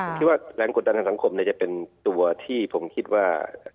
ผมคิดว่าแรงกดดันทางสังคมจะเป็นตัวที่ผมคิดว่า